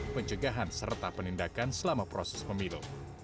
pencegahan serta penindakan selama proses pemilu